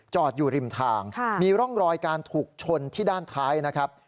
อยู่ริมทางมีร่องรอยการถูกชนที่ด้านท้ายนะครับ